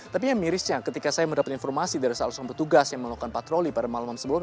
tapi yang mirisnya ketika saya mendapat informasi dari salah seorang petugas yang melakukan patroli pada malam malam sebelumnya